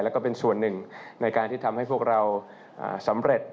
แล้วก็เป็นส่วนหนึ่งในการที่ทำให้พวกเราสำเร็จ